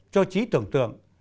cho trí tưởng tượng